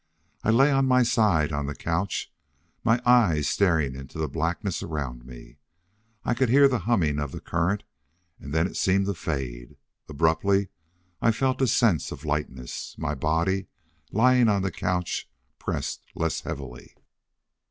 I lay on my side on the couch, my eyes staring into the blackness around me. I could hear the humming of the current, and then it seemed to fade. Abruptly I felt a sense of lightness. My body, lying on the couch, pressed less heavily.